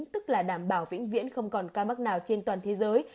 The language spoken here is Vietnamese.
tức là đảm bảo vĩnh viễn không còn ca mắc nào trên toàn thế giới